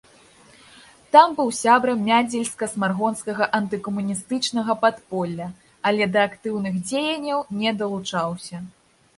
Там быў сябрам мядзельска-смаргонскага антыкамуністычнага падполля, але да актыўных дзеянняў не далучаўся.